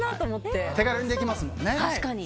手軽にできますもんね。